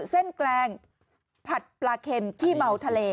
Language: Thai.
แกลงผัดปลาเข็มขี้เมาทะเล